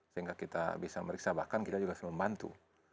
sehingga kita bisa meriksa bahkan kita juga harus membantu